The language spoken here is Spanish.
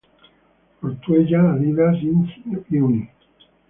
Ortuella, Adidas Int., Uni.